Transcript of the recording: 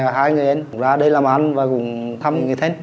và năm hai nghìn bảy là hoàng về hai người anh ra đây làm ăn và cùng thăm người thích